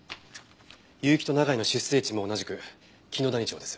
結城と永井の出生地も同じく紀野谷町です。